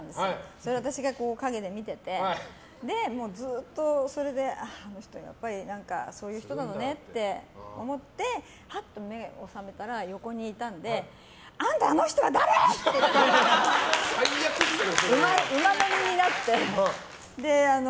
それを私が陰で見ててあの人やっぱりそういう人なのねって思ってはっと目が覚めたら横にいたのであんた、あの人は誰！って馬乗りになって。